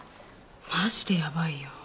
マジでヤバいよ。